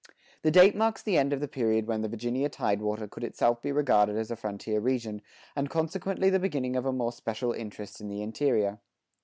[70:1] The date marks the end of the period when the Virginia tidewater could itself be regarded as a frontier region, and consequently the beginning of a more special interest in the interior.